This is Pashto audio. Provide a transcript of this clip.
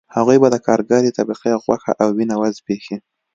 هغوی به د کارګرې طبقې غوښه او وینه وزبېښي